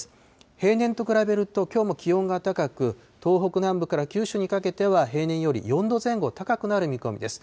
平年と比べるときょうも気温が高く、東北南部から九州にかけては、平年より４度前後高くなる見込みです。